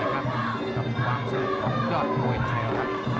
ครับครับความสุขของยอดมวยไทยครับ